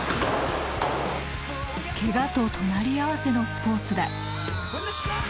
ケガと隣り合わせのスポーツだ。